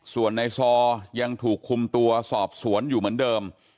ส่วนในซอยังถูกคุมตัวสอบสวนอยู่เหมือนเดิม